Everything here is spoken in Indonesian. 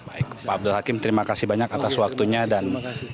baik pak abdul hakim terima kasih banyak atas waktunya dan